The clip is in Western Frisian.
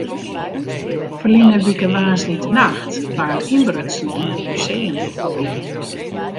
Ferline wike woansdeitenacht waard ynbrutsen yn it museumdepot.